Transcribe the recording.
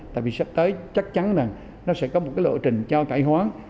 tại vì sắp tới chắc chắn là nó sẽ có một cái lộ trình cho cải hoán